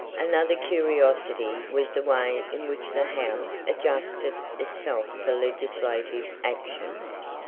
Another curiosity was the way in which the House adjusted itself for legislative action.